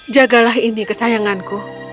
jagalah ini kesayanganku